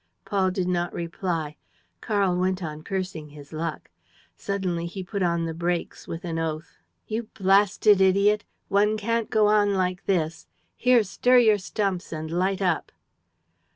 Paul did not reply. Karl went on cursing his luck. Suddenly, he put on the brakes, with an oath: "You blasted idiot! One can't go on like this. ... Here, stir your stumps and light up."